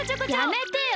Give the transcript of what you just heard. やめてよ！